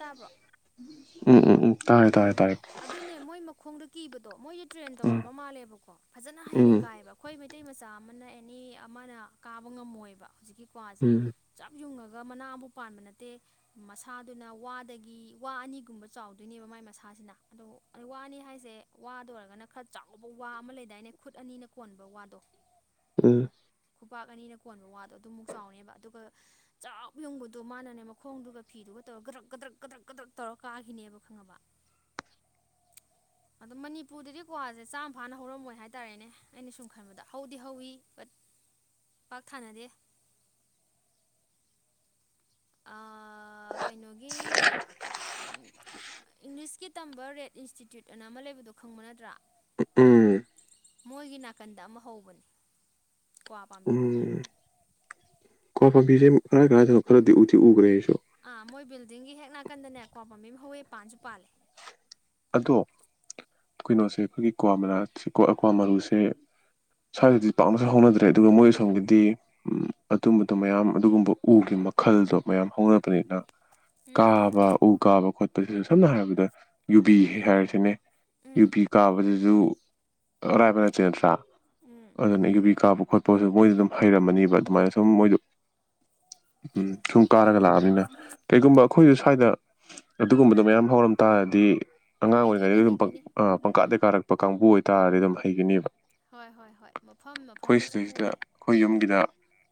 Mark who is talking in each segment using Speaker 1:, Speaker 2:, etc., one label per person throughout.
Speaker 1: ꯇꯥꯕ꯭ꯔꯣ
Speaker 2: ꯎꯝ ꯎꯝ ꯎꯝ ꯇꯥꯔꯦ ꯇꯥꯔꯦ
Speaker 1: ꯎꯝ
Speaker 2: ꯇꯥꯔꯦ
Speaker 1: ꯑꯥꯗꯨꯅꯦ ꯃꯣꯏ ꯃꯈꯣꯡꯗ ꯀꯤꯕꯗꯣ ꯃꯣꯏ ꯇ꯭ꯔꯦꯟ
Speaker 2: ꯎꯝ
Speaker 1: ꯇꯧꯔꯕ ꯃꯥꯜꯂꯦꯕꯀꯣ ꯐꯖꯅ ꯍꯩꯅ
Speaker 2: ꯎꯝ
Speaker 1: ꯀꯥꯏꯕ ꯈꯣꯏ [unintelligible] ꯃꯩꯇꯩ ꯃꯆꯥ ꯑꯥꯃꯅ ꯑꯦꯅꯤ ꯑꯥꯃꯅ ꯀꯥꯕ ꯉꯝꯃꯣꯏꯕ ꯍꯧꯖꯤꯛꯀꯤ ꯀ꯭ꯋꯥꯖꯦ
Speaker 2: ꯎꯝ
Speaker 1: ꯆꯞ ꯌꯨꯡꯉꯒ ꯃꯅꯥ ꯑꯝꯕꯨꯛ ꯄꯥꯟꯕ ꯅꯠꯇꯦ ꯃꯁꯥꯗꯨꯅ ꯋꯥꯗꯒꯤ ꯋꯥ ꯑꯥꯅꯤꯒꯨꯝꯕ ꯆꯥꯎꯗꯣꯏꯅꯦꯕ ꯃꯥꯏ ꯃꯁꯥꯁꯤꯅ ꯑꯥꯗꯣ ꯋꯥꯅꯤ ꯍꯥꯏꯁꯦ ꯋꯥꯗ ꯑꯣꯏꯔꯒꯅ ꯈꯔ ꯆꯥꯎꯕ ꯋꯥ ꯑꯥꯃ ꯂꯩꯗꯥꯏꯅꯦ ꯈꯨꯠ ꯑꯥꯅꯤꯅ ꯀꯣꯟ [unintelligible] ꯋꯥꯗꯣ
Speaker 2: ꯎꯝ
Speaker 1: ꯈꯨꯄꯥꯛ ꯑꯥꯅꯤꯅ ꯀꯣꯟꯕ ꯋꯥꯗꯣ ꯑꯥꯗꯨꯃꯨꯛ ꯆꯥꯎꯅꯤꯕ ꯑꯥꯗꯨꯒ ꯆꯥꯞ ꯌꯨꯡꯕꯗꯣ ꯃꯥꯅꯅꯦ ꯃꯈꯣꯡꯗꯨꯒ ꯐꯤꯗꯨ [unintelligible] ꯀꯗ꯭ꯔꯛ ꯀꯗ꯭ꯔꯛ ꯀꯗ꯭ꯔꯛ ꯇꯧꯔꯒ ꯀꯥꯒꯤꯅꯤꯕ ꯈꯪꯉꯕ
Speaker 2: [inaudible] [unintelligible]
Speaker 1: ꯑꯗꯣ ꯃꯅꯤꯄꯨꯔꯗꯗꯤ ꯀ꯭ꯋꯥꯁꯦ ꯆꯥꯝ ꯐꯥꯅ ꯍꯧꯔꯝꯃꯣꯏ ꯍꯥꯏꯇꯥꯔꯦꯅꯦ ꯑꯩꯅ ꯁꯨꯝ ꯈꯟꯕꯗ ꯍꯧꯗꯤ ꯍꯧꯋꯤ ꯕꯠ ꯄꯥꯛ ꯊꯥꯅꯗꯦ
Speaker 2: [inaudible] [unintelligible]
Speaker 1: ꯑ ꯀꯩꯅꯣꯒꯤ
Speaker 2: [unintelligible] [inaudible]
Speaker 1: ꯏꯪꯂꯤꯁꯀꯤ ꯇꯝꯕ ꯔꯦꯠ ꯏꯟꯁꯇꯤꯇ꯭ꯌꯨꯠ ꯑꯅ ꯑꯃ ꯂꯩꯕꯗꯨꯣ ꯈꯪꯕ ꯅꯠꯇ꯭ꯔꯥ
Speaker 2: ꯎꯝ
Speaker 1: ꯃꯣꯏꯒꯤ ꯅꯥꯀꯟꯗ ꯑꯃ ꯍꯧꯕꯅꯤ ꯀ꯭ꯋꯥ ꯄꯥꯝꯕꯤ ꯑꯃ
Speaker 2: ꯎꯝ ꯀ꯭ꯋꯥ ꯄꯥꯝꯕꯤꯁꯦ ꯀꯔꯥꯏ ꯀꯔꯥꯏ ꯗꯅꯣ ꯈꯔꯗꯤ ꯎꯗꯤ ꯎꯒ꯭ꯔꯦ ꯑꯩꯁꯨ
Speaker 1: ꯑꯥ ꯃꯣꯏ ꯕꯤꯜꯗꯤꯡꯒꯤ ꯍꯦꯛ ꯅꯥꯀꯟꯗꯅꯦ ꯀ꯭ꯋꯥ ꯄꯥꯕꯤ ꯑꯃ ꯍꯧꯋꯦꯄꯥꯟꯁꯨ ꯄꯥꯜꯂꯦ
Speaker 2: ꯑꯗꯣ ꯀꯩꯅꯣꯁꯦ ꯑꯩꯈꯣꯏꯒꯤ ꯀ꯭ꯋꯥ ꯀ꯭ꯋꯥ ꯃꯔꯨꯁꯦ ꯁ꯭ꯋꯥꯏꯗꯗꯤ ꯄꯥꯛꯅꯁꯨ ꯍꯧꯅꯗ꯭ꯔꯦ ꯑꯗꯨꯒ ꯃꯣꯏ ꯑꯁꯣꯝꯒꯤꯗꯤ ꯑꯗꯨꯝꯕꯗꯣ ꯃꯌꯥꯝ ꯑꯗꯨꯒꯨꯝꯕ ꯎꯒꯤꯕ ꯃꯈꯜꯗꯣ ꯃꯌꯥꯝ ꯍꯧꯅꯕꯅꯤꯅ
Speaker 1: ꯎꯝ
Speaker 2: ꯀꯥꯕ ꯎ ꯀꯥꯕ ꯈꯣꯠꯄ ꯁꯤꯗ ꯁꯝꯅ ꯍꯥꯏꯔꯕꯗ ꯌꯨꯕꯤ ꯍꯥꯏꯔꯤꯁꯤꯅꯦ
Speaker 1: ꯎꯝ
Speaker 2: ꯌꯨꯕꯤ ꯀꯥꯕꯗꯁꯨ ꯑꯔꯥꯏꯕ ꯅꯠꯇꯦ ꯅꯠꯇ꯭ꯔꯥ
Speaker 1: ꯎꯝ
Speaker 2: ꯑꯗꯨꯅ ꯌꯨꯕꯤ ꯀꯥꯕ ꯈꯣꯠꯄꯁꯨ ꯃꯣꯏꯁꯨ ꯑꯗꯨꯝ ꯍꯩꯔꯝꯃꯅꯦꯕ ꯑꯗꯨꯃꯥꯏꯅ ꯁꯨꯝ ꯃꯣꯏꯗꯣ [inaudible] [unintelligible] ꯎꯝ ꯁꯨꯝ ꯀꯥꯔꯒ ꯂꯥꯛꯑꯕꯅꯤꯅ ꯀꯩꯒꯨꯝꯕ ꯑꯩꯈꯣꯏꯁꯨ ꯁ꯭ꯋꯥꯏꯗ ꯑꯗꯨꯒꯨꯝꯕꯗꯣ ꯃꯌꯥꯝ ꯍꯧꯔꯝ ꯇꯥꯔ ꯗꯤ ꯑꯉꯥꯡ
Speaker 1: ꯍꯩꯗꯣꯏꯅꯦ
Speaker 2: ꯑꯣꯏꯔꯤꯉꯩꯗ ꯑꯗꯨꯝ ꯄꯪ
Speaker 1: ꯍꯩꯗꯣꯏꯅꯦ
Speaker 2: ꯄꯪꯀꯥꯗ
Speaker 1: ꯎꯝ
Speaker 2: ꯀꯥꯔꯛꯄ ꯀꯥꯡꯕꯨ ꯑꯣꯏꯇꯥꯔꯗꯤ ꯑꯗꯨꯝ ꯍꯩꯒꯅꯦꯕ
Speaker 1: ꯍꯣꯏ ꯍꯣꯏ ꯍꯣꯏ ꯃꯐꯝ
Speaker 2: ꯑꯩꯈꯣꯏ
Speaker 1: ꯃꯐꯝꯗꯁꯨ
Speaker 2: ꯁꯤꯗꯩꯁꯤꯗ
Speaker 1: ꯄꯨꯔꯦ
Speaker 2: ꯑꯩꯈꯣꯏ ꯌꯨꯝꯒꯤꯗ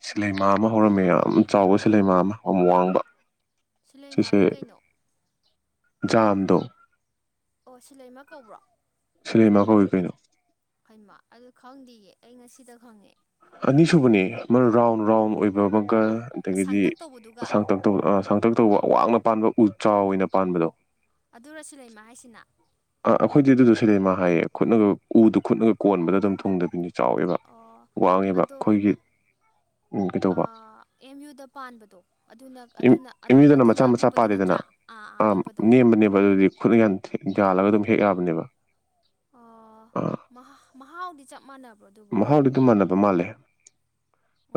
Speaker 2: ꯁꯤꯂꯩꯃꯥ ꯑꯃ ꯍꯧꯔꯝꯃꯦ ꯌꯥꯝ ꯆꯥꯎꯕ ꯁꯤꯂꯩꯃꯥ ꯑꯃ ꯌꯥꯝ ꯋꯥꯡꯕ ꯁꯤꯁꯦ
Speaker 1: ꯁꯤꯂꯩꯃꯥꯗꯤ ꯀꯩꯅꯣ
Speaker 2: ꯖꯥꯝꯗꯣ
Speaker 1: ꯑꯣ ꯁꯤ ꯂꯩꯃ ꯀꯧꯕ꯭ꯔꯣ
Speaker 2: ꯁꯤꯂꯩꯃꯥ ꯀꯧꯋꯤ ꯀꯩꯅꯣ
Speaker 1: ꯍꯩꯃ ꯑꯗꯨ ꯈꯪꯗꯤꯌꯦ ꯑꯩ ꯉꯁꯤꯗ ꯈꯪꯉꯦ
Speaker 2: ꯑꯅꯤꯁꯨꯕꯅꯤ ꯑꯃ ꯔꯥꯎꯟ ꯔꯥꯎꯟ ꯑꯣꯏꯕ ꯑꯃ ꯀ ꯑꯗꯒꯤꯗꯤ
Speaker 1: ꯁꯥꯡꯇꯛ ꯇꯧꯕꯗꯨꯒ
Speaker 2: ꯁꯥꯡꯇꯛ ꯁꯥꯡꯇꯛ ꯇꯧꯕ
Speaker 1: ꯑꯥ
Speaker 2: ꯑꯋꯥꯡꯅ ꯄꯥꯟꯕ ꯎ ꯆꯥꯎ ꯑꯣꯏꯅ ꯄꯥꯟꯕꯗꯣ
Speaker 1: ꯑꯗꯨꯔ ꯁꯤꯂꯩꯃ ꯍꯥꯏꯁꯤꯅ
Speaker 2: ꯑ ꯑꯩꯈꯣꯏꯗꯤ ꯑꯗꯨꯗ ꯁꯤꯂꯩ ꯃꯥ ꯍꯥꯏꯌꯦ ꯈꯨꯠꯅꯒ ꯎꯗꯨ ꯈꯨꯠꯅꯒ ꯀꯣꯟꯕꯗ ꯑꯗꯨꯝ ꯊꯨꯡꯗꯕꯤꯅꯤ ꯆꯥꯎꯋꯦꯕ
Speaker 1: ꯑꯣ
Speaker 2: ꯋꯥꯡꯉꯦꯕ
Speaker 1: ꯑꯗꯣ
Speaker 2: ꯑꯩꯈꯣꯏꯒꯤ ꯎꯝ ꯀꯩꯗꯧꯕ
Speaker 1: ꯑꯦꯝ ꯌꯨꯗ ꯄꯥꯟꯕꯗꯣ ꯑꯗꯨꯅ
Speaker 2: ꯑꯦꯝ
Speaker 1: ꯑꯗꯨꯅ
Speaker 2: ꯑꯦꯝ ꯌꯨꯗꯅ
Speaker 1: ꯑꯗꯨꯅ
Speaker 2: ꯃꯆꯥ ꯃꯆꯥ
Speaker 1: ꯑꯄꯤꯛꯄꯗꯣ
Speaker 2: ꯄꯥꯜꯂꯤꯗꯅ
Speaker 1: ꯅꯠꯇ꯭ꯔꯥ
Speaker 2: ꯑꯥ
Speaker 1: ꯑꯄꯤꯛꯄꯗꯣ ꯍꯣꯏ
Speaker 2: ꯅꯦꯝꯕꯅꯦꯕ
Speaker 1: ꯍꯣꯏ
Speaker 2: ꯑꯗꯨꯗꯤ ꯈꯨꯠꯅꯟ ꯌꯥꯜꯂꯒ ꯑꯗꯨꯝ ꯍꯦꯛ ꯌꯥꯕꯅꯦꯕ ꯑꯥ
Speaker 1: ꯑꯣ ꯃꯍꯥꯎꯗꯤ ꯆꯞ ꯃꯥꯟꯅꯕ꯭ꯔꯣ ꯑꯗꯨꯕꯣ
Speaker 2: ꯃꯍꯥꯎꯗꯤ ꯑꯗꯨꯝ ꯃꯥꯟꯅꯕ ꯃꯥꯜꯂꯦ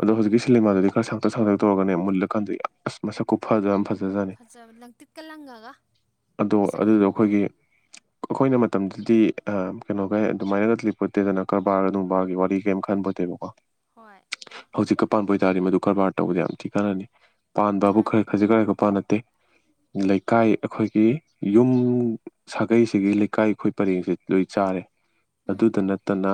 Speaker 2: ꯑꯗꯣ ꯍꯧꯖꯤꯛꯀꯤ ꯁꯤꯂꯩꯃꯥꯗꯨꯗꯤ ꯈꯔ ꯁꯥꯡꯇꯛ ꯁꯥꯡꯇ ꯇꯧꯔꯒꯅꯦ ꯃꯨꯜꯂꯀꯥꯟꯗꯗꯤ ꯑꯁ ꯃꯁꯛꯀꯨ ꯈꯨꯐꯖ ꯑꯃ ꯐꯖ
Speaker 1: ꯐꯖꯕ ꯂꯪꯇꯤꯛꯀ ꯂꯪꯉꯒ
Speaker 2: ꯑꯗꯣ
Speaker 1: ꯑꯁꯛ
Speaker 2: ꯑꯗꯨꯗꯣ
Speaker 1: ꯎꯝ
Speaker 2: ꯑꯩꯈꯣꯏꯒꯤ ꯑꯩꯈꯣꯏꯅ ꯃꯇꯝꯗꯨꯗꯤ ꯑ ꯀꯩꯅꯣꯒꯩ ꯑꯗꯨꯃꯥꯏꯅꯒ ꯂꯩꯄꯣꯠꯇꯦꯗꯅ ꯀꯔꯕꯥꯔ ꯅꯨꯡꯕꯥꯒꯤ ꯋꯥꯔꯤ ꯀꯩꯝ ꯈꯟ [unintelligible]
Speaker 1: ꯍꯣꯏ
Speaker 2: ꯍꯧꯖꯤꯛꯀ ꯄꯥꯟꯕ ꯑꯣꯏꯇꯥꯥꯔꯗꯤ ꯃꯗꯨ ꯀꯔꯕꯥꯔ ꯇꯧꯕꯗ ꯌꯥꯝꯅ ꯊꯤ ꯀꯥꯟꯅꯅꯤ ꯄꯥꯟꯕꯕꯨ
Speaker 1: ꯃꯥꯅꯦ
Speaker 2: ꯈꯔ ꯈꯖꯤꯛ ꯈꯔꯒꯥ ꯈꯨꯄꯥꯟ ꯅꯠ ꯂꯩꯀꯥꯏ ꯑꯩꯈꯣꯏꯒꯤ ꯌꯨꯝ ꯁꯥꯒꯩꯁꯤꯒꯤ ꯂꯩꯀꯥꯏ ꯑꯩꯈꯣꯏ ꯄꯔꯦꯡꯁꯦ ꯂꯣꯏ ꯆꯥꯔꯦ
Speaker 1: ꯎꯝ
Speaker 2: ꯑꯗꯨꯗ ꯅꯠꯇꯅ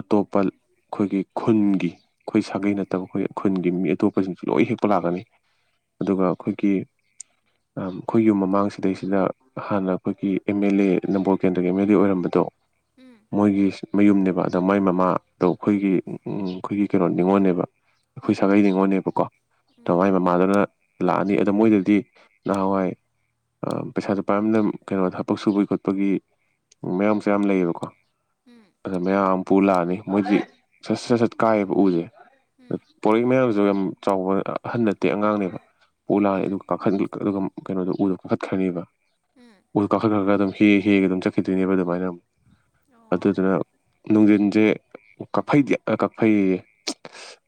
Speaker 2: ꯑꯇꯣꯞꯄ ꯑꯩꯈꯣꯏꯒꯤ ꯈꯨꯟꯒꯤ ꯑꯩꯈꯣꯏ ꯁꯥꯒꯩ
Speaker 1: ꯎꯝ
Speaker 2: ꯅꯠꯇꯕ ꯑꯩꯈꯣꯏ ꯈꯨꯟꯒꯤ ꯃꯤ ꯑꯇꯣꯞꯄꯁꯤꯡ ꯂꯣꯏ ꯍꯦꯛꯄ ꯂꯥꯛꯀꯅꯤ ꯑꯗꯨꯒ ꯑꯩꯈꯣꯏꯒꯤ ꯑꯩꯈꯣꯏ ꯌꯨꯝ ꯃꯃꯥꯡꯁꯤꯗꯩꯁꯤꯗ ꯍꯥꯟꯅ ꯑꯩꯈꯣꯏꯒꯤ ꯑꯦꯝ ꯑꯦꯜ ꯑꯦ ꯅꯝꯕꯣꯜ ꯀꯦꯟꯗ꯭ꯔꯒꯤ ꯑꯦꯝ ꯑꯦꯜ ꯑꯦ ꯑꯣꯏꯔꯝꯕꯗꯣ
Speaker 1: ꯎꯝ
Speaker 2: ꯃꯣꯏꯒꯤ ꯃꯌꯨꯝꯅꯦꯕ ꯑꯗ ꯃꯥꯒꯤ ꯃꯃꯥꯗꯣ ꯑꯩꯈꯣꯏꯒꯤ ꯑꯩꯈꯣꯏꯒꯤ ꯀꯩꯅꯣ ꯅꯤꯉꯣꯜꯅꯦꯕ ꯑꯩꯈꯣꯏ
Speaker 1: ꯎꯝ
Speaker 2: ꯁꯥꯒꯩ ꯅꯤꯉꯣꯜꯅꯦꯕꯀꯣ ꯑꯗ ꯃꯥꯏ ꯃꯃꯥꯗꯨꯅ ꯂꯥꯛꯑꯅꯤ ꯑꯗ ꯃꯣꯏꯗꯗꯤ ꯅꯍꯥꯟꯋꯥꯏ ꯑ ꯄꯩꯁꯥꯗꯨ ꯄꯥꯏꯕꯅꯤꯅ ꯀꯩꯅꯣ ꯊ ꯕꯛ ꯁꯨꯕꯒꯤ ꯈꯣꯠꯄꯒꯤ ꯃꯌꯥꯡ ꯃꯆꯥ ꯌꯥꯝ ꯂꯩꯌꯦꯕꯀꯣ
Speaker 1: ꯎꯝ
Speaker 2: ꯑꯗ ꯃꯌꯥꯡ ꯑꯃ ꯄꯨ ꯂꯥꯛꯑꯅꯤ ꯃꯣꯏꯗꯤ ꯁꯠ ꯁꯠ ꯁꯠ ꯀꯥꯏꯌꯦꯕ ꯎꯁꯦ
Speaker 1: ꯎꯝ
Speaker 2: ꯄꯣꯔꯛꯏꯕ ꯃꯌꯥꯡꯁꯨ ꯌꯥꯝ ꯆꯥꯎꯕ ꯑꯍꯟ ꯅꯠꯇꯦ ꯑꯉꯥꯡꯅꯦꯕ ꯄꯨꯂꯥꯛꯑꯅꯦ
Speaker 1: ꯎꯝ
Speaker 2: ꯑꯗꯨ ꯀꯥꯈꯠꯍꯟꯂꯤꯕ ꯑꯗꯨꯒ ꯀꯩꯅꯣꯗꯣ ꯎꯗꯣ ꯀꯥꯈꯠꯈ꯭ꯔꯅꯦꯕ
Speaker 1: ꯎꯝ ꯎꯝ
Speaker 2: ꯎ ꯀꯥꯈꯠ ꯈ꯭ꯔꯒ ꯑꯗꯨꯝ ꯍꯦꯛ ꯍꯦꯛꯒ ꯑꯗꯨꯝ ꯆꯠꯈꯤꯗꯣꯏꯅꯦꯕ ꯑꯗꯨꯃꯥꯏꯅ ꯑꯃꯨꯛ
Speaker 1: ꯑꯣ
Speaker 2: ꯑꯗꯨꯗꯨꯅ ꯅꯨꯡꯗꯤꯟꯁꯦ ꯀꯛꯐꯩꯗꯤ ꯑ ꯀꯛꯐꯩꯌꯦ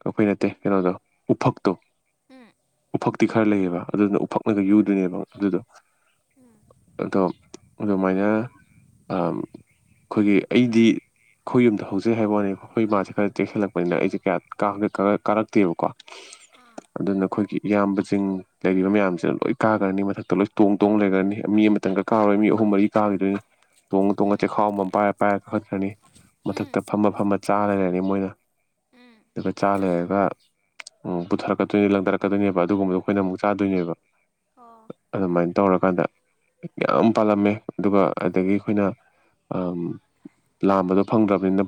Speaker 2: ꯀꯥꯛꯐꯩ ꯅꯠꯇꯦ ꯀꯩꯅꯣꯗ ꯎꯐꯛꯇꯣ
Speaker 1: ꯎꯝ
Speaker 2: ꯎꯐꯛꯇꯤ ꯈꯔ ꯂꯩꯑꯦꯕ ꯑꯗꯨꯅ ꯎꯐꯛꯅꯒ ꯌꯨꯗꯨꯏꯅꯦꯕ ꯑꯗꯨꯗꯣ
Speaker 1: ꯎꯝ
Speaker 2: ꯑꯗꯣ ꯑꯗꯨꯃꯥꯏꯅ ꯑ ꯑꯩꯈꯣꯏꯒꯤ ꯑꯩꯗꯤ ꯑꯩꯈꯣꯏ ꯌꯨꯝꯗ ꯍꯧꯖꯩ ꯍꯥꯏꯕ ꯋꯥꯅꯤ ꯑꯩꯈꯣꯏ ꯃꯥꯁꯦ ꯈꯔ ꯆꯦꯛꯁꯤꯜꯂꯛꯄꯅꯤꯅ ꯑꯩꯁꯦ ꯀꯌꯥ ꯀꯥꯒꯦ ꯀꯥ ꯀꯥꯔꯛꯇꯦꯕꯀꯣ
Speaker 1: ꯑꯥ
Speaker 2: ꯑꯗꯨꯅ ꯑꯩꯈꯣꯏꯒꯤ ꯏꯌꯥꯝꯕꯁꯤꯡ ꯂꯩꯔꯤꯕ ꯃꯌꯥꯝꯁꯤꯅ ꯂꯣꯏ ꯀꯥꯈ꯭ꯔꯅꯤ ꯃꯊꯛꯇ ꯂꯣꯏ ꯇꯣꯡ ꯇꯣꯡ ꯂꯩꯈ꯭ꯔꯅꯤ ꯃꯤ ꯑꯃꯇꯪꯒ ꯀꯥꯔꯣꯏ ꯃꯤ ꯑꯍꯨꯝ ꯃꯔꯤ ꯀꯥꯒꯤꯗꯣꯏꯅꯤ ꯇꯣꯡꯉ ꯇꯣꯡꯉꯒ
Speaker 1: ꯎꯝ
Speaker 2: ꯆꯦꯈꯥꯎ ꯑꯃꯃꯝ ꯄꯥꯏꯔ ꯄꯥꯏꯔ ꯀꯥꯈꯠꯈ꯭꯭ꯔꯅꯤ
Speaker 1: ꯎꯝ
Speaker 2: ꯃꯊꯛꯇ ꯐꯝꯃ ꯐꯝꯃ ꯆꯥ ꯂꯩꯔꯅꯤ ꯃꯣꯏꯅ
Speaker 1: ꯎꯝ
Speaker 2: ꯑꯗꯨꯒ ꯆꯥ ꯂꯩꯔꯒ ꯎꯝ ꯄꯨꯊꯔꯛꯀꯗꯣꯏꯅꯦ ꯂꯪ ꯗꯔꯛꯀꯗꯣꯏꯅꯦꯕ ꯑꯗꯨꯒꯨꯝꯕꯗꯣ ꯑꯩꯈꯣꯏꯅ ꯑꯃꯨꯛ ꯆꯥꯗꯣꯏꯅꯦꯕ
Speaker 1: ꯑꯣ
Speaker 2: ꯑꯗꯨꯃꯥꯏꯅ ꯇꯧꯔꯀꯥꯟꯗ ꯌꯥꯝ ꯄꯥꯜꯂꯝꯃꯦ ꯑꯗꯨꯒ ꯑꯗꯒꯤ ꯑꯩꯈꯣꯏꯅ ꯑ ꯂꯥꯝꯕꯗꯣ ꯐꯪꯗ꯭ꯔꯕꯅꯤꯅ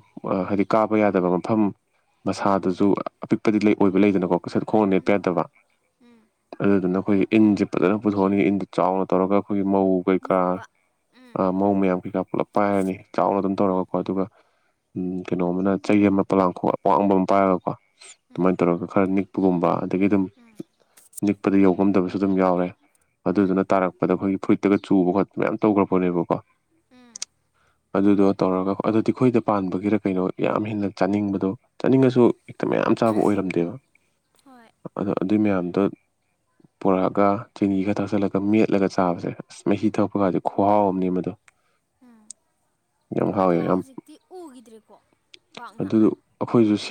Speaker 2: ꯍꯥꯏꯗꯤ ꯀꯥꯕ ꯌꯥꯗꯕ ꯃꯐꯝ ꯃꯁꯥꯗꯨꯁꯨ ꯑꯄꯤꯛꯄꯗꯤ ꯂꯩ ꯑꯣꯏꯕ ꯂꯩꯗꯅꯀꯣ ꯁꯠ ꯈꯣꯡꯅ ꯅꯦꯠꯄ ꯌꯥꯗꯕ ꯑꯗꯨꯗꯨꯅ ꯑꯩꯈꯣꯏꯒꯤ ꯏꯟꯖꯦ ꯐꯖꯅ ꯄꯨꯊꯣꯛꯑꯅꯤ ꯏꯟꯗ ꯆꯥꯎꯅ ꯇꯧꯔꯒ ꯑꯩꯈꯣꯏꯒꯤ ꯃꯧ ꯀꯩꯀꯥ
Speaker 1: ꯅꯤꯛꯄ ꯎꯝ
Speaker 2: ꯑ ꯃꯧ ꯃꯌꯥꯝ ꯀꯩꯀꯥ ꯄꯨꯂꯞ ꯄꯥꯏꯔꯅꯤ ꯆꯥꯎꯅ ꯑꯗꯨꯝ ꯇꯧꯔꯒꯀꯣ ꯑꯗꯨꯒ ꯎꯝ ꯀꯩꯅꯣ ꯑꯃꯅ ꯆꯩ ꯑꯃꯅ ꯄꯣꯂꯥꯡꯈꯣꯛ ꯑꯋꯥꯡꯕ ꯑꯃ ꯄꯥꯏꯔꯒꯀꯣ ꯑꯗꯨꯃꯥꯏꯅ ꯇꯧꯔꯒ ꯈꯔ ꯅꯤꯛꯄꯒꯨꯝꯕ ꯑꯗꯒꯤ ꯑꯗꯨꯝ ꯅꯤꯛꯄꯗ ꯌꯧ ꯉꯝꯗꯕꯁꯨ ꯑꯗꯨꯝ ꯌꯥꯎꯔꯦ
Speaker 1: ꯎꯝ
Speaker 2: ꯑꯗꯨꯗꯨꯅ ꯇꯥꯔꯛꯄꯗ ꯑꯩꯈꯣꯏꯒꯤ ꯐꯨꯔꯤꯠꯇꯒ ꯆꯨꯕ ꯈꯣꯠꯄ ꯃꯌꯥꯝ ꯇꯧꯒꯔꯄꯣꯠꯅꯦꯀꯣ
Speaker 1: ꯎꯝ
Speaker 2: ꯑꯗꯨꯗꯣ ꯇꯧꯔꯒ ꯑꯗꯨꯗꯤ ꯑꯩꯈꯣꯏꯗ ꯄꯥꯟꯕꯒꯤꯔ ꯀꯩꯅꯣ ꯌꯥꯝ ꯍꯦꯟꯅ ꯆꯥꯅꯤꯡꯕꯗꯣ ꯆꯥꯅꯤꯡꯉꯁꯨ ꯍꯦꯛꯇ ꯃꯌꯥꯝ ꯆꯥꯕ ꯑꯣꯏꯔꯝꯗꯦꯕ
Speaker 1: ꯍꯣꯏ
Speaker 2: ꯑꯗꯣ ꯑꯗꯨꯏ ꯃꯌꯥꯝ ꯑꯗꯣ ꯄꯣꯔꯛꯑꯒ ꯆꯤꯅꯤ ꯈꯔ ꯊꯥꯛꯆꯜꯂꯒ ꯃꯦꯠꯂꯒ ꯆꯥꯕꯁꯦ ꯑꯁ ꯃꯍꯤ ꯊꯛꯄ ꯒꯗꯤ ꯈꯨꯍꯥꯎ ꯑꯃꯅꯦ ꯃꯗꯣ
Speaker 1: ꯎꯝ
Speaker 2: ꯌꯥꯝ
Speaker 1: ꯑꯗꯣ
Speaker 2: ꯍꯥꯎꯋꯦ ꯌꯥꯝ
Speaker 1: ꯍꯧꯖꯤꯛꯇꯤ ꯎꯒꯤꯗ꯭ꯔꯦꯀꯣ ꯄꯥꯛꯅ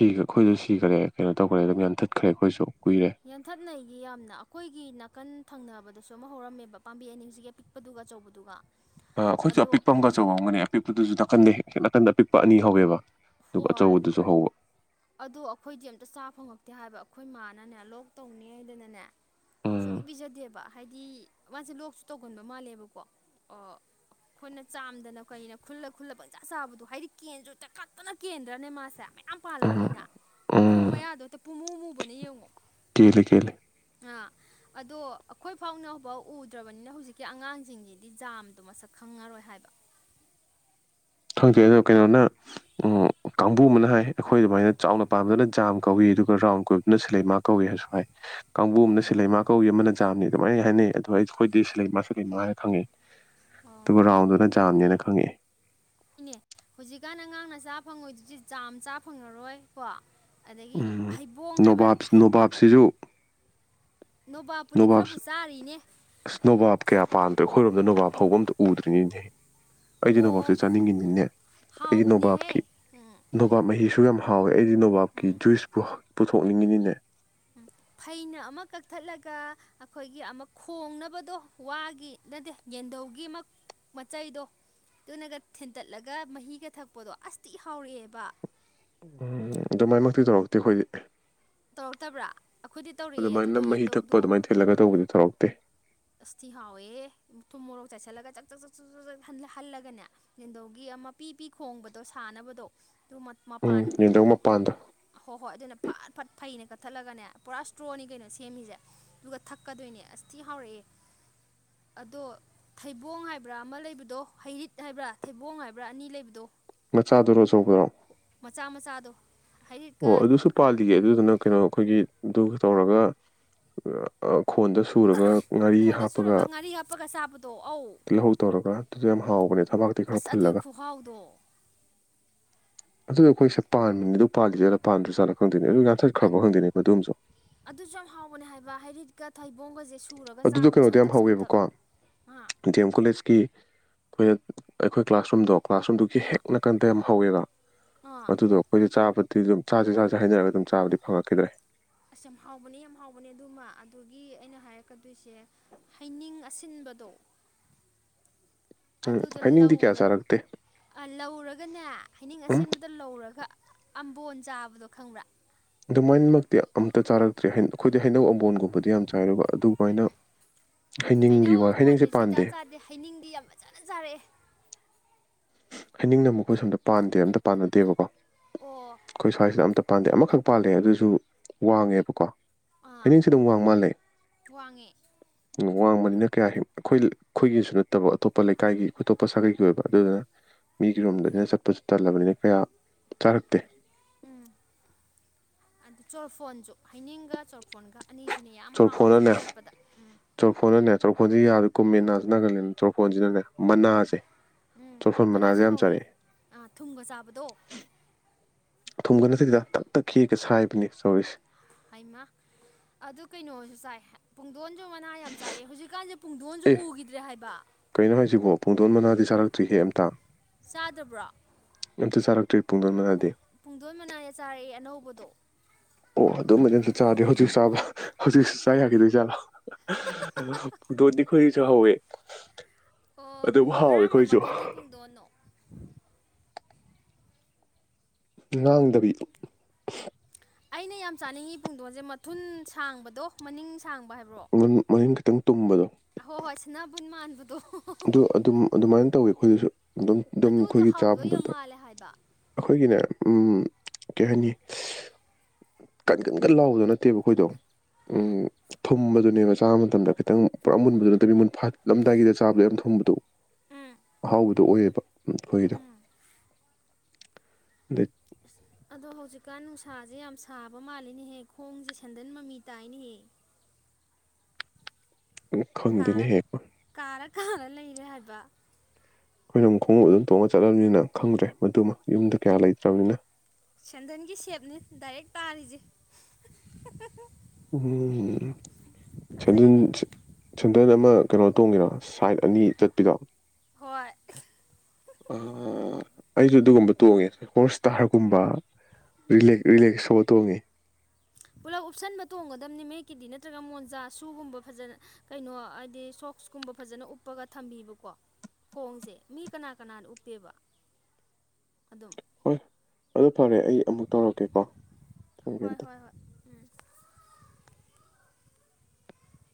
Speaker 2: ꯏꯒ ꯑꯩꯈꯣꯏꯁꯨ ꯁꯤꯈꯒ꯭ꯔꯦ ꯀꯩꯅꯣ ꯇꯧꯈ꯭ꯔꯦ ꯑꯗꯨꯝ ꯌꯥꯟꯊꯠꯈ꯭ꯔꯦ ꯑꯩꯈꯣꯏꯁꯨ ꯀꯨꯏꯔꯦ
Speaker 1: ꯌꯥꯟꯊꯠꯅꯩꯌꯦ ꯌꯥꯝꯅ ꯑꯩꯈꯣꯏꯒꯤ ꯅꯥꯀꯟ ꯊꯪꯅꯕꯗ ꯑꯗꯁꯨ ꯑꯃ ꯍꯧꯔꯝꯃꯦꯕ ꯄꯥꯝꯕꯤ ꯑꯅꯤꯁꯤꯒꯤ ꯑꯄꯤꯛꯄꯗꯨꯒ ꯑꯆꯧꯕꯗꯨꯒ
Speaker 2: ꯑ ꯑꯩꯈꯣꯏꯁꯨ
Speaker 1: ꯑꯗꯣ
Speaker 2: ꯑꯄꯤꯛꯄ ꯑꯃ ꯑꯆꯧꯕ ꯑꯃꯒꯅꯦ ꯑꯄꯤꯛꯄꯗꯨꯁꯨ ꯅꯥꯀꯟꯗ ꯅꯥꯀꯟꯗ ꯑꯄꯤꯛꯄ ꯑꯅꯤ ꯍꯧꯋꯦꯕ ꯑꯗꯨꯒ
Speaker 1: ꯍꯣꯏ
Speaker 2: ꯑꯆꯧꯕꯗꯨꯁꯨ ꯍꯧꯕ
Speaker 1: ꯑꯗꯣ ꯑꯩꯈꯣꯏꯗꯤ ꯑꯝꯇ ꯆꯥ ꯐꯪꯉꯛꯇꯦ ꯍꯥꯏꯕ ꯑꯩꯈꯣꯏ ꯃꯥꯥ ꯅꯅꯦ ꯂꯣꯛ ꯇꯧꯅꯦ ꯍꯥꯏꯗꯅꯅꯦ
Speaker 2: ꯎꯝ
Speaker 1: ꯁꯨꯛꯄꯤ ꯄꯤꯖꯗꯦꯕ ꯍꯥꯏꯗꯤ ꯃꯥꯁꯦ ꯂꯣꯛꯁꯨ ꯇꯧꯒꯟꯕ ꯃꯥꯜꯂꯦꯕꯀꯣ ꯑꯣ ꯑꯩꯈꯣꯏꯅ ꯆꯥꯝꯗꯅ ꯀꯩꯅ ꯈꯨꯜꯂ ꯈꯨꯜꯂ ꯄꯪꯆꯥ ꯆꯥꯕꯗꯣ ꯍꯥꯏꯗꯤ ꯀꯦꯟꯁꯨ ꯇꯈꯠ ꯐꯖꯟꯅ ꯀꯦꯟꯗ꯭ꯔꯅꯦ ꯃꯥꯁꯦ ꯃꯌꯥꯝ
Speaker 2: ꯎꯝ
Speaker 1: ꯄꯥꯜꯂꯕꯅꯤꯅ ꯃꯈꯣꯡ
Speaker 2: ꯎꯝ
Speaker 1: ꯃꯌꯥꯗꯣ ꯍꯛꯇ ꯄꯨꯨꯝꯃꯨ ꯃꯨꯕꯅꯦ ꯌꯦꯡꯉꯣ
Speaker 2: ꯀꯦꯜꯂꯤ ꯀꯦꯜꯂꯤ
Speaker 1: ꯑ ꯑꯗꯣ ꯑꯩꯈꯣꯏ ꯐꯥꯎꯅꯐꯥꯎ ꯎꯗ꯭ꯔꯕꯅꯤꯅ ꯍꯧꯖꯤꯛꯀꯤ ꯑꯉꯥꯡꯁꯤꯡꯁꯤꯗꯤ ꯖꯥꯝꯗꯣ ꯃꯁꯛ ꯈꯪꯉꯔꯣꯏ ꯍꯣꯏ ꯍꯥꯏꯕ
Speaker 2: [inaudible] ꯈꯪꯖꯩ ꯑꯗꯣ ꯀꯩꯅꯣꯅ ꯎꯝ ꯀꯥꯡꯕꯨ ꯑꯃꯅ ꯍꯥꯏ ꯑꯩꯈꯣꯏ ꯑꯗꯨꯃꯥꯏꯅ ꯆꯥꯎꯅ ꯄꯥꯟꯕꯗꯨꯅ ꯖꯝ ꯀꯧꯏ ꯑꯗꯨꯒ ꯔꯥꯎꯟ ꯀꯣꯏꯕꯗꯨꯅ ꯁꯤꯂꯦꯃꯥ ꯀꯧꯋꯦ ꯍꯥꯏꯁꯨ ꯍꯥꯏ ꯀꯥꯡꯕꯨ ꯑꯃꯅ
Speaker 1: ꯑꯣ
Speaker 2: ꯁꯤꯂꯩꯃ ꯀꯧꯏ ꯑꯃꯅ ꯖꯥꯝꯅꯤ ꯑꯗꯨꯃꯥꯏꯅ ꯍꯥꯏꯅꯩ ꯑꯗꯣ ꯑꯩꯈꯣꯏꯗꯤ ꯁꯤꯂꯩꯃ ꯁꯤꯂꯩꯃ ꯍꯥꯏꯔ ꯈꯪꯉꯦ ꯑꯗꯨꯒ ꯔꯥꯎꯟꯗꯨꯅ ꯖꯝꯅꯦꯅ ꯈꯪꯉꯛꯑꯦ
Speaker 1: ꯍꯣꯏꯅꯦ ꯍꯧꯖꯤꯛꯀꯥꯟ ꯑꯉꯥꯡꯅ ꯆꯥ ꯐꯪꯉꯣꯏꯗ꯭ꯔꯤꯁꯦ ꯖꯝ ꯆꯥ ꯐꯪꯉꯔꯣꯏ ꯀꯣ ꯑꯗꯒꯤ
Speaker 2: ꯎꯝ
Speaker 1: ꯍꯩꯕꯣꯡ ꯍꯥꯏꯕ
Speaker 2: ꯅꯣꯕꯥꯞ
Speaker 1: ꯊꯩ ꯍꯩ
Speaker 2: ꯅꯣꯕꯥꯞꯁꯨ ꯑꯁ ꯅꯣꯕꯞ ꯀꯌꯥ ꯄꯥꯟꯕꯗꯦ ꯑꯩꯈꯣꯏꯔꯣ ꯑꯗꯣ ꯅꯣꯕꯞ ꯍꯧꯕꯝꯗꯣ ꯎꯗ꯭ꯔꯤꯅꯤꯍꯦ ꯑꯩꯗꯤ
Speaker 1: ꯑꯣ
Speaker 2: ꯅꯣꯕꯥꯞꯁꯦ ꯆꯥꯅꯤꯡꯉꯤꯅꯤꯅꯦ ꯑꯩꯒꯤ
Speaker 1: ꯍꯥꯎꯕꯅꯦꯍꯦ
Speaker 2: ꯅꯣꯕꯥꯞꯀꯤ
Speaker 1: ꯎꯝ
Speaker 2: ꯅꯣꯕꯥꯞ ꯃꯍꯤꯁꯨ ꯌꯥꯝ ꯍꯥꯎꯋꯦ ꯑꯩꯗꯤ ꯅꯣꯕꯥꯞꯀꯤ ꯖꯨꯏꯁ ꯄꯨ ꯄꯨꯊꯣꯛꯅꯤꯡꯉꯤꯅꯤꯅꯦ
Speaker 1: ꯐꯩꯅ ꯑꯃ ꯀꯛꯊꯠꯂꯒ ꯑꯩꯈꯣꯏꯒꯤ ꯑꯃ ꯈꯣꯡꯅꯕꯗꯣ ꯋꯥꯒꯤ ꯅꯠꯇꯦ ꯌꯦꯗꯧꯒꯤ ꯑꯃꯛ ꯃꯆꯩꯗꯣ ꯑꯗꯨꯅꯒ ꯊꯤꯟꯇꯠꯂꯒ ꯃꯍꯤꯒ ꯊꯛꯄꯗꯣ ꯑꯁ ꯊꯤꯍꯥꯎꯔꯛꯑꯦꯕ
Speaker 2: ꯎꯝ ꯑꯗꯨꯃꯥꯏꯃꯛꯇꯤ ꯇꯧꯔꯛꯇꯦ ꯑꯩꯈꯣꯏꯗꯤ
Speaker 1: ꯇꯧꯔꯛꯇꯕ꯭ꯔꯥ ꯑꯩꯈꯣꯏꯗꯤ ꯇꯧꯔꯛꯑꯦ
Speaker 2: ꯑꯗꯨꯃꯥꯏꯅ
Speaker 1: ꯑꯗꯨꯗꯣ
Speaker 2: ꯃꯍꯤ ꯊꯛꯄ
Speaker 1: ꯌꯦꯟꯗꯧꯗꯣ
Speaker 2: ꯑꯗꯨꯃꯥꯏꯅ ꯊꯤꯂꯒ ꯇꯧꯕꯗꯤ ꯇꯧꯔꯛꯇꯦ
Speaker 1: ꯑꯁꯊꯤ ꯍꯥꯎꯋꯦ ꯊꯨꯝ ꯃꯣꯔꯣꯛ ꯆꯥꯏꯁꯤꯜꯂꯒ ꯆꯥꯛ ꯆꯥꯛ ꯆꯥꯛ ꯍꯜꯂꯒꯅꯦ ꯌꯦꯟꯙꯧꯒꯤ ꯑꯃ ꯃꯄꯤ ꯄꯤ ꯈꯣꯡꯕꯗꯣ ꯁꯥꯟꯅꯕꯗꯣ ꯑꯗꯨ
Speaker 2: ꯎꯝ
Speaker 1: ꯃꯄꯥꯟꯒꯤ
Speaker 2: ꯌꯦꯟꯗꯧ
Speaker 1: ꯃꯈꯣꯛꯇꯣ
Speaker 2: ꯃꯄꯥꯟꯗꯣ
Speaker 1: ꯑ ꯍꯣꯏ ꯍꯣꯏ ꯑꯗꯨꯅ ꯐꯠ ꯐꯠ ꯐꯩꯅ ꯀꯛꯊꯠꯂꯒꯅꯦ ꯄꯨꯔꯥ ꯏꯁꯇ꯭ꯔꯣꯅꯤ ꯀꯩꯅꯣ ꯁꯦꯝꯃꯤꯁꯦ ꯑꯗꯨꯒ ꯊꯛꯀꯗꯣꯏꯅꯦ ꯑꯁ ꯊꯤ ꯍꯥꯎꯔꯛꯑꯦ
Speaker 2: [inaudible]
Speaker 1: ꯑꯗꯣ ꯊꯩꯕꯣꯡ ꯍꯥꯏꯕ꯭ꯔꯥ ꯑꯃ ꯂꯩꯕꯗꯣ ꯍꯩꯔꯤꯠ ꯍꯥꯏꯕ꯭ꯔꯥ ꯊꯩꯕꯣꯡ ꯍꯥꯏꯕ꯭ꯔꯥ ꯑꯅꯤ ꯂꯩꯕꯗꯣ
Speaker 2: ꯃꯆꯥꯥ ꯑꯗꯨ ꯔꯣ
Speaker 1: ꯃꯆꯥ ꯃꯆꯥꯗꯣ ꯍꯩꯔꯤꯠꯀ
Speaker 2: ꯑꯣ ꯑꯗꯨꯁꯨ ꯄꯥꯜꯂꯤꯒꯦ ꯑꯗꯨꯗꯨꯅ ꯀꯩꯅꯣ ꯑꯩꯈꯣꯏꯒꯤꯗꯨ ꯇꯧꯔꯒ ꯈꯣꯟꯗ ꯁꯨꯔꯒ ꯉꯥꯔꯤ
Speaker 1: ꯈꯣꯟꯗ
Speaker 2: ꯍꯥꯞꯄꯒ
Speaker 1: ꯆꯨꯔꯒ ꯉꯥꯔꯤ ꯍꯥꯞꯄꯒ ꯆꯥꯕꯗꯣ ꯑꯧ
Speaker 2: ꯇꯤꯜꯍꯧ ꯇꯧꯔꯒ ꯑꯗꯨꯗꯣ ꯌꯥꯝ ꯍꯥꯎꯕ ꯊꯕꯛꯇꯤ ꯈꯔ
Speaker 1: ꯑꯁ ꯑꯗꯨꯏ
Speaker 2: ꯐꯨꯜꯂꯒ
Speaker 1: ꯈꯨꯍꯥꯎꯗꯣ
Speaker 2: ꯑꯗꯨꯗꯣ ꯑꯩꯈꯣꯏꯁꯤꯗ ꯄꯥꯟꯕꯅꯤ ꯑꯗꯨ ꯄꯥꯟꯜꯂꯤ ꯆꯠꯂ ꯄꯥꯟꯗ꯭ꯔ ꯆꯠꯂ ꯈꯪ
Speaker 1: ꯑꯗꯨꯁꯨ ꯌꯥꯝ ꯍꯥꯎꯒꯅꯤ ꯍꯥꯏꯕ ꯍꯥꯏꯔꯤꯠꯀ
Speaker 2: ꯑꯗꯨꯗꯣ ꯀꯩꯅꯣꯗꯤ ꯌꯥꯝ ꯍꯧꯋꯦꯕꯀꯣ
Speaker 1: ꯉꯥ
Speaker 2: ꯗꯤ ꯑꯦꯝ ꯀꯣꯂꯦꯖꯀꯤ ꯑꯩꯈꯣꯏꯅ ꯑꯩꯈꯣꯏ ꯀ꯭ꯂꯥꯁꯔꯨꯝꯗꯣ ꯀ꯭ꯂꯥꯁꯔꯨꯝꯗꯨꯒꯤ
Speaker 1: ꯉꯥ
Speaker 2: ꯍꯦꯛ ꯅꯥꯀꯟꯗ ꯌꯥꯝ ꯍꯧꯋꯦꯕ
Speaker 1: ꯑꯥ
Speaker 2: ꯃꯗꯨꯗꯣ ꯑꯩꯈꯣꯏꯗ ꯆꯥꯕ ꯑꯗꯨ ꯑꯗꯨꯝ ꯆꯥꯁꯦ ꯆꯥꯁꯦ ꯍꯩꯅꯔꯒ ꯑꯗꯨꯝ ꯆꯥꯕꯗꯤ ꯐꯪꯉꯛꯈꯤꯗ꯭ꯔꯦ
Speaker 1: ꯑꯁ ꯌꯥꯝ ꯍꯥꯎꯕꯅꯦ ꯌꯥꯝ ꯍꯥꯎꯕꯅꯦ ꯑꯗꯨꯃ ꯑꯗꯨꯒꯤ ꯑꯩꯅ ꯍꯥꯏꯔꯛꯀꯗꯣꯏꯁꯦ ꯍꯩꯅꯤꯡ ꯑꯁꯤꯟ ꯕꯗꯣ
Speaker 2: ꯎꯝ ꯍꯩꯅꯤꯡꯗꯤ ꯀꯌꯥ
Speaker 1: ꯂꯧꯔ
Speaker 2: ꯆꯥꯔꯛꯇꯦ
Speaker 1: ꯂꯧꯔꯒꯅꯦ ꯍꯩꯅꯤꯡ
Speaker 2: ꯎꯝ
Speaker 1: ꯑꯁꯦꯟꯕꯗꯤ ꯂꯧꯔꯒ ꯑꯝꯕꯣꯟ ꯆꯥꯕꯗꯣ ꯈꯪꯕ꯭ꯔꯥ
Speaker 2: ꯑꯗꯨꯃꯥꯏꯅꯃꯛꯇꯤ ꯑꯝꯇ ꯆꯥꯔꯛꯇ꯭ꯔꯦ ꯑꯩꯈꯣꯏꯗꯤ ꯍꯩꯅꯧ ꯑꯝꯕꯣꯟꯒꯨꯝꯕꯗꯤ ꯌꯥꯝ ꯆꯥꯏ ꯑꯗꯨꯒ ꯑꯗꯨꯃꯥꯏꯅ ꯍꯩꯅꯤꯡꯒꯤ
Speaker 1: ꯍꯩꯅꯧ
Speaker 2: ꯋꯥ ꯍꯩꯅꯤꯡꯁꯦ
Speaker 1: ꯑꯃꯝꯕꯣꯟꯗꯤ
Speaker 2: ꯄꯥꯟꯗꯦ
Speaker 1: ꯁꯨꯡꯆꯥꯥ ꯆꯥꯗꯦ ꯍꯩꯅꯤꯡꯗꯤ ꯌꯥꯝ ꯐꯖꯅ ꯆꯥꯔꯛꯑꯦ
Speaker 2: ꯍꯥꯏꯅꯤꯡꯅ ꯑꯃꯨꯛ ꯑꯩꯈꯣꯏ ꯁꯣꯝꯗ ꯄꯥꯟꯗꯦ ꯑꯝꯇ ꯄꯥꯟꯅꯗꯦꯕꯀꯣ
Speaker 1: ꯑꯣ
Speaker 2: ꯑꯩꯈꯣꯏ ꯁ꯭ꯋꯥꯏꯁꯤꯗ ꯑꯝꯇ ꯄꯥꯟꯗꯦ ꯑꯃꯈꯛ ꯄꯥꯜꯂꯦ ꯑꯗꯨꯁꯨ ꯋꯥꯡꯉꯦꯕꯀꯣ
Speaker 1: ꯑꯥ
Speaker 2: ꯍꯥꯏꯅꯤꯡꯁꯨ ꯑꯗꯨꯝ ꯋꯥꯡ ꯃꯥꯜꯂꯦ
Speaker 1: ꯋꯥꯡꯉꯦ
Speaker 2: ꯋꯥꯡꯕꯅꯤꯅ ꯀꯌꯥ ꯍꯦꯛ ꯑꯩꯈꯣꯏ ꯑꯩꯈꯣꯏꯒꯤꯁꯨ ꯅꯠꯇꯕ ꯑꯇꯣꯞꯄ ꯂꯩꯀꯥꯏꯒꯤ ꯑꯇꯣꯞꯄ ꯁꯥꯒꯩꯒꯤ ꯑꯣꯏꯕ ꯑꯗꯨꯗꯨꯅ ꯃꯤꯒꯤ ꯔꯣꯝꯗꯅꯤꯅ ꯆꯠꯄꯁꯨ ꯇꯜꯂꯕꯅꯤꯅ ꯀꯌꯥ ꯆꯥꯔꯛꯇꯦ
Speaker 1: ꯎꯝ ꯑꯗꯨ ꯆꯣꯔꯐꯣꯟꯁꯨ ꯍꯩꯅꯤꯡꯒ ꯆꯣꯔꯐꯣꯟꯒ ꯑꯅꯤꯁꯤꯅꯦ ꯌꯥꯝ ꯍꯥꯎꯔꯤꯖꯦ
Speaker 2: ꯆꯣꯔꯐꯣꯟꯅꯅꯦ
Speaker 1: ꯃꯦꯠꯄꯗ ꯎꯝ
Speaker 2: ꯈꯣꯟꯖꯤ ꯌꯥꯖꯨ ꯀꯨꯝꯃꯦ ꯅꯥꯖꯨ ꯅꯥꯒꯜꯂꯦ ꯅ ꯆꯣꯔꯣꯐꯣꯟꯖꯤꯅꯅꯦ
Speaker 1: ꯎꯝ ꯃꯅꯥꯁꯨ
Speaker 2: ꯌꯥꯝ
Speaker 1: ꯍꯥꯎꯋꯦ
Speaker 2: ꯆꯥꯔꯛꯑꯦ
Speaker 1: ꯑꯥ ꯊꯨꯝꯒ ꯆꯥꯕꯗꯣ
Speaker 2: ꯊꯨꯝꯒꯅꯠꯇꯦꯗꯗ ꯇꯛ ꯇꯛ ꯈꯤꯒ ꯁꯥꯏꯕꯅꯤ ꯁꯣꯔꯤ
Speaker 1: ꯍꯥꯏꯃꯥ ꯑꯗꯨ ꯀꯩꯅꯣꯖꯨ ꯆꯥꯏ ꯄꯨꯡ ꯄꯨꯡꯗꯣꯟꯖꯨ ꯃꯅꯥ ꯌꯥꯝ ꯆꯥꯔꯛꯑꯦ ꯍꯧꯖꯤꯛꯀꯥꯟꯖꯦ ꯄꯨꯡꯗꯣꯟꯖꯨ
Speaker 2: ꯑꯦ
Speaker 1: ꯎꯈꯤꯗ꯭ꯔꯦ ꯍꯥꯏꯕꯥ
Speaker 2: ꯀꯩꯅꯣ ꯍꯥꯏꯁꯤꯕꯣ ꯄꯨꯡꯗꯣꯟ ꯃꯅꯥꯗꯤ ꯆꯥꯔꯛꯇ꯭ꯔꯤꯍꯦ ꯑꯝꯇꯥ
Speaker 1: ꯆꯥꯗꯕ꯭ꯔꯣ
Speaker 2: ꯇ ꯆꯥꯔꯛꯇ꯭ꯔꯤ ꯄꯨꯡꯗꯣꯟ
Speaker 1: ꯄꯨꯡ
Speaker 2: ꯃꯅꯥꯗꯤ
Speaker 1: ꯄꯨꯡꯗꯣꯟ ꯃꯅꯥꯖꯦ ꯆꯥꯔꯛꯑꯦ ꯑꯅꯧꯕꯗꯣ
Speaker 2: ꯑꯣ ꯑꯗꯨ ꯃꯗꯤ ꯑꯝꯇ ꯆꯥꯗ꯭ꯔꯤ ꯍꯧꯖꯤꯛ ꯆꯥꯕ ꯍꯧꯖꯤꯛꯁꯨ ꯆꯥ ꯌꯥꯒꯤꯗꯣꯏꯖꯥꯠꯂꯣ ꯍ ꯍ ꯗꯣꯗꯤ ꯈꯣꯏꯒꯤꯁꯨ ꯍꯧꯋꯦ
Speaker 1: ꯑꯣ
Speaker 2: ꯑꯗꯨꯕꯨ ꯍꯥꯎꯋꯦ
Speaker 1: ꯀꯔꯝꯕ
Speaker 2: ꯑꯩꯈꯣꯏꯖꯨ
Speaker 1: ꯃꯈꯜꯒꯤ ꯄꯨꯡꯗꯣꯟꯅꯣ
Speaker 2: ꯉꯥꯡꯗꯕꯤ
Speaker 1: ꯑꯩꯅ ꯌꯥꯝ ꯆꯥꯅꯤꯡꯑꯤ ꯄꯨꯡꯗꯣꯟꯖꯦ ꯃꯊꯨꯟ ꯁꯥꯡꯕꯗꯣ ꯃꯅꯤꯡ ꯁꯥꯡꯕ ꯍꯥꯏꯕ꯭ꯔꯣ
Speaker 2: ꯇꯪ ꯇꯨꯝꯕꯗꯣ
Speaker 1: ꯍꯣ ꯍꯣꯏ ꯁ꯭ꯅꯥꯕꯨꯟ ꯃꯥꯟꯕꯗꯣ
Speaker 2: ꯑꯗꯨ ꯑꯗꯨꯝ ꯑꯗꯨꯃꯥꯏꯟꯅ ꯇꯧꯋꯤ ꯑꯩꯈꯣꯏꯗꯨꯁꯨ ꯑꯗꯨꯝ ꯗꯨꯝ
Speaker 1: ꯑꯗꯨꯗꯣ
Speaker 2: ꯑꯩꯈꯣꯏꯒꯤ ꯆꯥꯕ
Speaker 1: ꯍꯥꯎꯗꯣꯏ ꯌꯥꯝ
Speaker 2: ꯃꯇꯝꯗ
Speaker 1: ꯃꯥꯜꯂꯦ ꯍꯥꯏꯕ
Speaker 2: ꯑꯈꯣꯏꯒꯤꯅꯦ ꯎꯝ ꯀꯩ ꯍꯥꯏꯅꯤ ꯀꯟ ꯀꯟ ꯀꯟ ꯂꯥꯎꯕꯗꯣ ꯅꯠꯇꯦꯕ ꯑꯩꯈꯣꯏꯗꯣ ꯎꯝ ꯊꯨꯝꯕꯗꯨꯅꯦꯕ ꯆꯥꯕ ꯃꯇꯝꯗ ꯈꯤꯇꯪ ꯄꯨꯔꯥ ꯃꯨꯟꯕꯗꯨ ꯅꯠꯇꯕ ꯃꯤ ꯃꯨꯟꯐꯥꯠꯂꯝꯗꯥꯏꯒꯤꯗ ꯆꯥꯕꯗ ꯌꯥꯝ ꯊꯨꯝꯕꯗꯣ
Speaker 1: ꯎꯝ
Speaker 2: ꯑꯍꯥꯎꯕꯗꯣ ꯑꯣꯏꯌꯦꯕ ꯑꯩꯈꯣꯏꯒꯤꯗꯣ
Speaker 1: ꯎꯝ
Speaker 2: ꯗꯩ
Speaker 1: ꯑꯗꯣ ꯍꯧꯖꯤꯛꯀꯥꯟ ꯅꯨꯡꯁꯥꯖꯦ ꯌꯥꯝ ꯁꯥꯕ ꯃꯥꯜꯂꯤꯅꯦꯍꯦ ꯈꯣꯡꯁꯦ ꯁꯦꯟꯗꯟ ꯃꯃꯤ ꯇꯥꯏꯅꯦꯍꯦ
Speaker 2: [inaudible] ꯈꯪꯗꯦꯅꯦ ꯍꯦ
Speaker 1: ꯑꯥꯍ ꯂꯩꯔꯦ ꯍꯥꯏꯕꯥ
Speaker 2: ꯑꯩꯈꯣꯏꯅꯃꯨꯛ ꯈꯣꯡꯎꯞ ꯑꯗꯨꯝ ꯇꯣꯡꯉ ꯆꯠꯂꯝꯅꯤꯅ ꯈꯪꯗ꯭ꯔꯦ ꯃꯗꯨꯃ ꯌꯨꯝꯗ ꯀꯌꯥ ꯂꯩꯇ꯭ꯔꯝꯅꯤꯅ
Speaker 1: ꯁꯦꯟꯗꯟꯒꯤ ꯁꯦꯞꯅꯤ ꯗꯥꯏꯔꯦꯛ ꯇꯥꯔꯤꯖꯦ ꯍ ꯍ
Speaker 2: ꯎꯝ ꯁꯦꯟꯗꯟ
Speaker 1: ꯐꯖꯩꯅꯦ
Speaker 2: ꯁꯦꯟꯗꯟ ꯑꯝ ꯑꯃꯥ ꯀꯩꯅꯣ ꯇꯣꯡꯉꯤꯔꯣ ꯁꯥꯏꯠ ꯑꯅꯤ ꯆꯠꯄꯤꯗꯣ
Speaker 1: ꯍꯣꯏ ꯍꯣꯏ
Speaker 2: ꯑꯥ ꯑꯩꯖꯨ ꯑꯗꯨꯒꯨꯝꯕ ꯇꯣꯡꯉꯦ ꯍꯣꯔꯁ ꯁꯇꯥꯔꯒꯨꯝꯕꯥ ꯔꯤꯂꯦꯛ ꯔꯤꯂꯦꯛꯁꯣ ꯇꯣꯡꯉꯦ
Speaker 1: ꯄꯨꯂꯞ ꯎꯞꯁꯟꯕ ꯇꯣꯡꯒꯗꯝꯅꯤ ꯃꯌꯦꯛꯀꯤꯗꯤ ꯅꯠꯇ꯭ꯔꯒ ꯃꯣꯟꯖꯥ ꯁꯨꯒꯨꯝꯕ ꯐꯖꯅ ꯀꯩꯅꯣ ꯍꯥꯏꯗꯤ ꯁꯣꯛ ꯁ ꯀꯨꯝꯕ ꯐꯖꯅ ꯎꯞꯄꯒ ꯊꯝꯕꯤꯕꯀꯣ ꯈꯣꯡꯖꯦ ꯃꯤ ꯀꯅꯥ ꯀꯅꯥꯅ ꯎꯞꯄꯦꯕꯥ ꯑꯗꯨꯝ
Speaker 2: ꯍꯣꯏ ꯑꯗꯨ ꯐꯔꯦ ꯑꯩ ꯑꯃꯨꯛ ꯇꯧꯔꯛꯀꯦꯀꯣ ꯊꯝꯒꯦ
Speaker 1: ꯍꯣꯏ ꯍꯣꯏ ꯍꯣꯏ ꯎꯝ